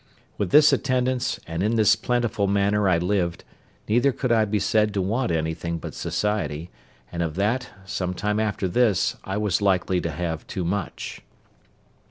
With this attendance and in this plentiful manner I lived; neither could I be said to want anything but society; and of that, some time after this, I was likely to have too much.